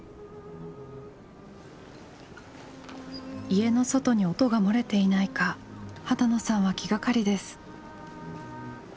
家の外に音が漏れていないか波多野さんは気がかりです。